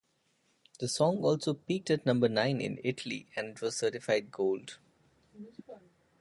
The song also peaked at number nine in Italy and it was certified Gold.